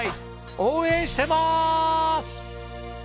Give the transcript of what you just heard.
応援してます！